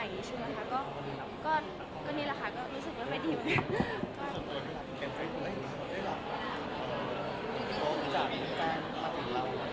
อย่างที่บอกเลยคือต้องมีเอกสารอะไรทุกอย่างเลย